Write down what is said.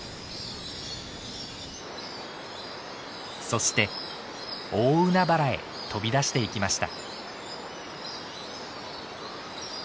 そして大海原へ飛び出していきました。